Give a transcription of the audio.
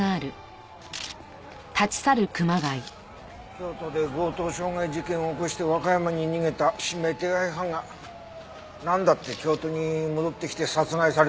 京都で強盗傷害事件を起こして和歌山に逃げた指名手配犯がなんだって京都に戻ってきて殺害されたんだろうね。